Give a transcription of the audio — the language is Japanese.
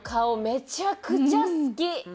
めちゃくちゃ好き！